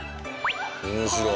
面白い。